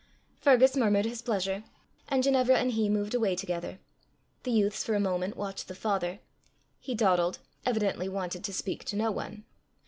Fergus murmured his pleasure, and Ginevra and he moved away together. The youths for a moment watched the father. He dawdled evidently wanted to speak to no one.